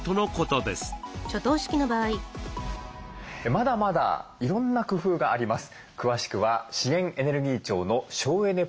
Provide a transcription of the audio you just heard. まだまだいろんな工夫があります。